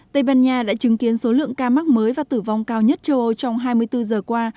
tây ban nha đã chứng kiến số lượng ca mắc mới và tử vong cao nhất châu âu trong hai mươi bốn giờ qua